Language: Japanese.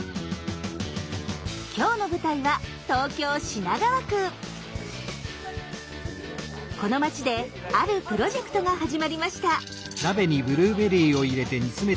今日の舞台はこの町であるプロジェクトが始まりました。